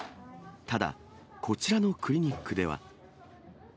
ただ、こちらのクリニックでは。